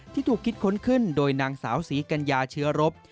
ที่ถูกคิดค้นขึ้นโดยนางสาวศรีกัญญาเชื้อรบ